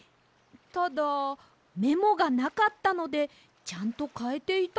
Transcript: ただメモがなかったのでちゃんとかえていたのかどうか。